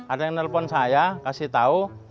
ada yang telepon saya kasih tau